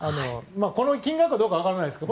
この金額がどうかは分からないですけど。